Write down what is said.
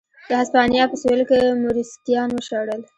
د هسپانیا په سوېل کې موریسکیان وشړل.